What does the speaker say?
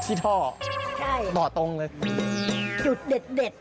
ที่ท่อต่อตรงเลยใช่จุดเด็ด